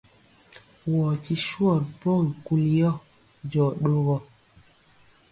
Wɔ ti swɔ ri pɔgi kuli yɔ, jɔ ɗogɔ.